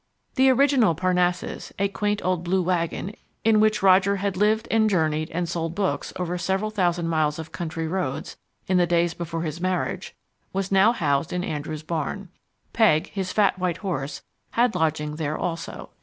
The original Parnassus, a quaint old blue wagon in which Roger had lived and journeyed and sold books over several thousand miles of country roads in the days before his marriage, was now housed in Andrew's barn. Peg, his fat white horse, had lodging there also.